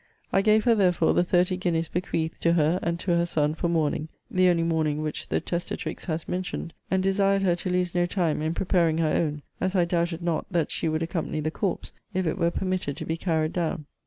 I gave her therefore the thirty guineas bequeathed to her and to her son for mourning; the only mourning which the testatrix has mentioned; and desired her to lose no time in preparing her own, as I doubted not, that she would accompany the corpse, if it were permitted to be carried down.